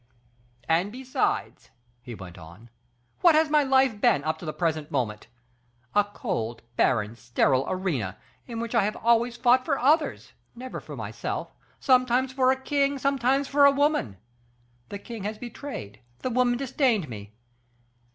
And besides," he went on, "what has my life been up to the present moment? A cold, barren, sterile arena, in which I have always fought for others, never for myself. Sometimes for a king, sometimes for a woman. The king has betrayed, the woman disdained me.